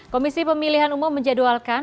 komisi pemilihan umum menjadwalkan